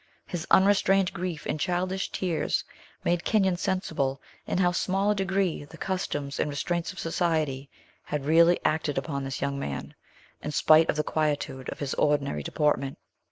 His unrestrained grief and childish tears made Kenyon sensible in how small a degree the customs and restraints of society had really acted upon this young man, in spite of the quietude of his ordinary deportment.